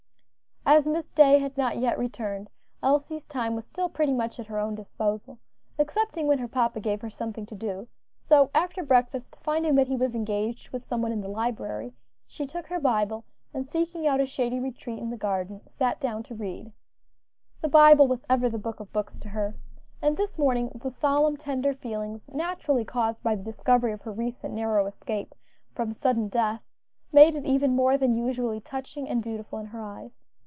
As Miss Day had not yet returned, Elsie's time was still pretty much at her own disposal, excepting when her papa gave her something to do; so, after breakfast, finding that he was engaged with some one in the library, she took her Bible, and seeking out a shady retreat in the garden, sat down to read. The Bible was ever the book of books to her, and this morning the solemn, tender feelings naturally caused by the discovery of her recent narrow escape from sudden death made it even more than usually touching and beautiful in her eyes.